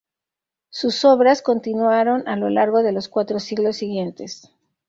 Sus obras continuaron a lo largo de los cuatro siglos siguientes.